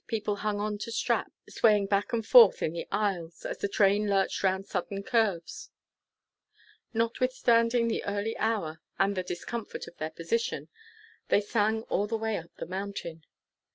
People hung on the straps, swaying back and forth in the aisles, as the train lurched around sudden curves. Notwithstanding the early hour, and the discomfort of their position, they sang all the way up the mountain.